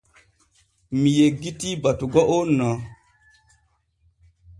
Mi yeggitii batugo on no.